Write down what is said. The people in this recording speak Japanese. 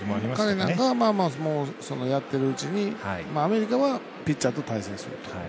彼なんかはやってるうちにアメリカはピッチャーと対戦すると。